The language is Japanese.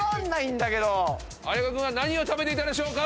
有岡君は何を食べていたでしょうか？